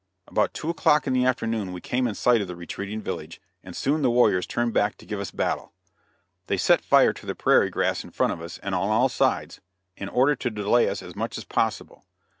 About two o'clock we came in sight of the retreating village, and soon the warriors turned back to give us battle. They set fire to the prairie grass in front of us, and on all sides, in order to delay us as much as possible.